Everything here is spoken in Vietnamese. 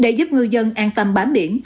để giúp người dân an tâm bám biển